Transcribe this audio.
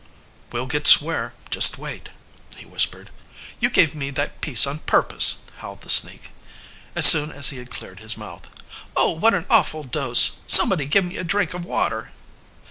"We'll get square just wait," he whispered. "You gave me that piece on purpose," howled the sneak, as soon as he had cleared his mouth. "Oh, what an awful dose! Somebody give me a drink of water."